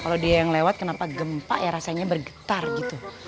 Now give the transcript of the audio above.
kalau dia yang lewat kenapa gempa ya rasanya bergetar gitu